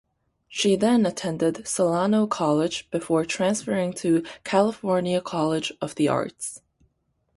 She then attended Solano College before transferring to California College of the Arts.